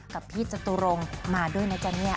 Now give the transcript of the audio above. กับพี่จตุรงค์มาด้วยนะจ๊ะเนี่ย